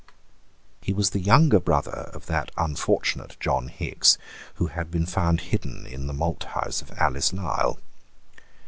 He was the younger brother of that unfortunate John Hickes who had been found hidden in the malthouse of Alice Lisle.